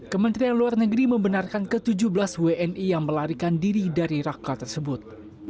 kementerian luar negeri membenarkan ke tujuh belas wni yang melarikan diri dari raqqa tersebut